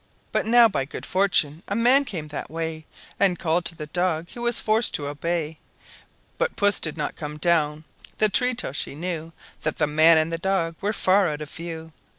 But now, by good fortune, a man came that way, And called to the dog, who was forced to obey; But Puss did not come down the tree till she knew That the man and the dog were far out of view.